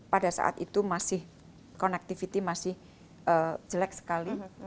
pada saat itu masih connectivity masih jelek sekali